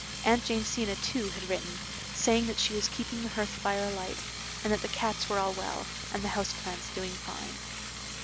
Aunt Jamesina, too, had written, saying that she was keeping the hearth fire alight, and that the cats were all well, and the house plants doing fine.